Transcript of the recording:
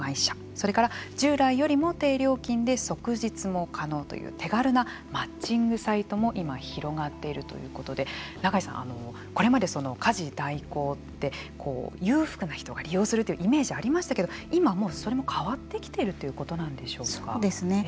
それから従来よりも低料金で即日も可能という手軽なマッチングサイトも今、広がっているということで永井さん、これまで家事代行って裕福な人が利用するというイメージがありましたけれども今、それも変わってきているそうですね。